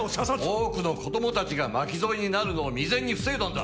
多くの子供たちが巻き添えになるのを未然に防いだんだ！